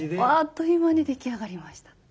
あっという間に出来上がりました。